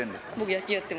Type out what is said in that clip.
野球。